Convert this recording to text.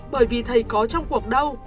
bởi vì thầy có trong cuộc đau